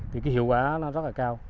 thì cái hiệu quả nó rất là cao